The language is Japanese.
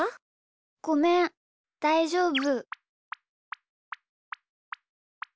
ごめんだいじょうぶ。